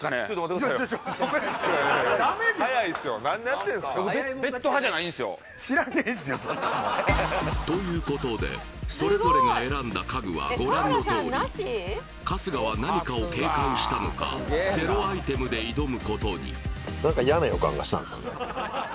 やっぱり対決や必要な家具ということでそれぞれが選んだ家具はご覧のとおり春日は何かを警戒したのかゼロアイテムで挑むことに何のですか？